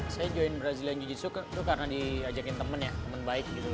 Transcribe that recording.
saya join brazilian jiu jitsu karena diajakin temen ya teman baik gitu